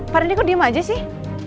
pari ini kok diam aja sih